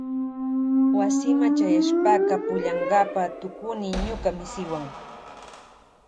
Wasima chayashpaka pukllankapa tukuni ñuka misiwan.